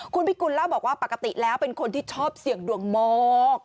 คุณพิกุลเล่าบอกว่าปกติแล้วเป็นคนที่ชอบเสี่ยงดวงโมก